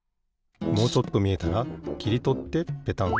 もうちょっとみえたらきりとってペタン。